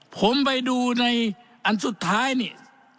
ผมไปดูในอันสุดท้ายนี่